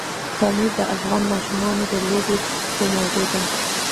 پامیر د افغان ماشومانو د لوبو موضوع ده.